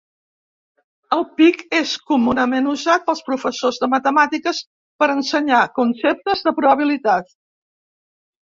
El "pig" és comunament usat pels professors de matemàtiques per ensenyar conceptes de probabilitat.